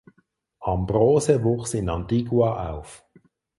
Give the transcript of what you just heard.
Ambrose wuchs in Antigua auf.